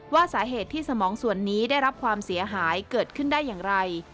ว่าสาเหตุที่สมองส่วนนี้ได้รับความเสียหายเกิดขึ้นได้อย่างไร